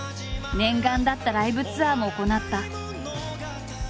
念願だったライブツアーも行った。